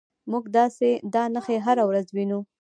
موږ دا نښې هره ورځ وینو.